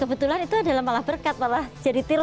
kebetulan itu malah berkat malah jadi tiru